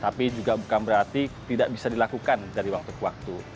tapi juga bukan berarti tidak bisa dilakukan dari waktu ke waktu